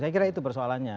saya kira itu persoalannya